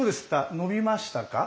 伸びましたか？